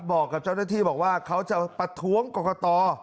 บอกกับเจ้าหน้าที่บอกว่าเขาจะประท้วงกรกต